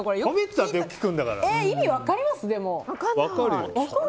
意味分かります？